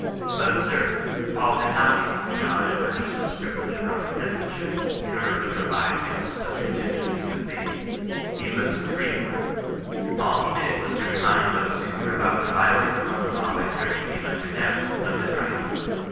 But observe, Paul had not recently gone and purchased his privilege of Roman citizenship, in order to provide against such contingencies as theee.. He WM " free bom." All he did \i^ \.q x^oaxA ^OaRfas^ 70 CHRISTIAN NON RESISTANCE. who were about to violate the Roman law by scourging him tmcondemned, of his rights.